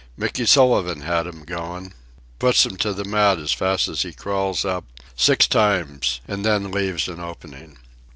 Mickey Sullivan had 'm goin'. Puts 'm to the mat as fast as he crawls up, six times, an' then leaves an opening.